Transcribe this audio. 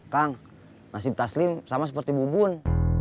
kang nasib taslim sama seperti bu bun